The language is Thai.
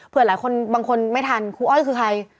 เพื่อหลายคนบางคนไม่ทันครูอ้อยคือใคร